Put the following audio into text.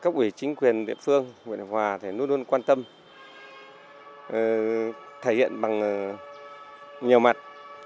các quỷ chính quyền địa phương huyện hòa luôn luôn quan tâm thể hiện bằng nhiều mặt